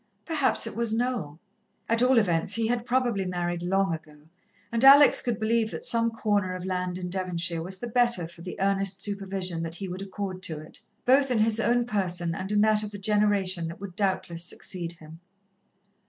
Perhaps it was Noel. At all events, he had probably married long ago, and Alex could believe that some corner of land in Devonshire was the better for the earnest supervision that he would accord to it, both in his own person and in that of the generation that would doubtless succeed him.